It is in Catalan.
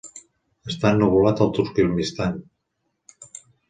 Està ennuvolat al Turkmenistan.